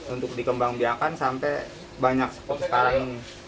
untuk dikembangkan sampai banyak seperti sekarang ini